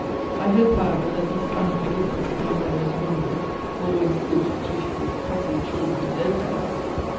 I hope, however, that these unforgivers [my mother is among them] were always good, dutiful, passive children to their parents.